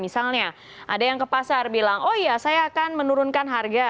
misalnya ada yang ke pasar bilang oh iya saya akan menurunkan harga